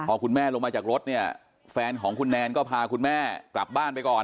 พอคุณแม่ลงมาจากรถเนี่ยแฟนของคุณแนนก็พาคุณแม่กลับบ้านไปก่อน